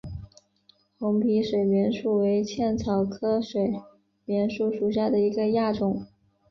红皮水锦树为茜草科水锦树属下的一个亚种。